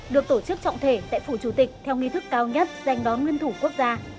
được tổ chức trọng thể tại phủ chủ tịch theo nghi thức cao nhất dành đón nguyên thủ quốc gia